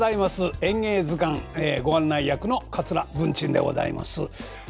「演芸図鑑」ご案内役の桂文珍でございます。